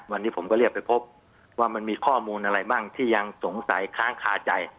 วันนี้ผมก็เรียกไปพบว่ามันมีข้อมูลอะไรบ้างที่ยังสงสัยค้างคาใจ